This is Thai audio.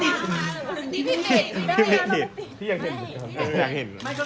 ตอนนี้ก็เป็นพี่นฮ่องกัน